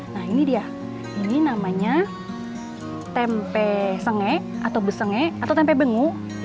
nah ini dia ini namanya tempe senge atau besenge atau tempe bengu